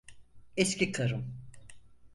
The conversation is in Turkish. Eski karım.